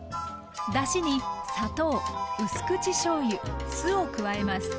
だしに砂糖うす口しょうゆ酢を加えます。